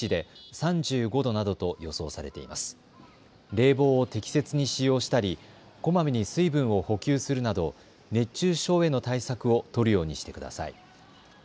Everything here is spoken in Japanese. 冷房を適切に使用したりこまめに水分を補給するなど熱中症への対策を取るようにしてください。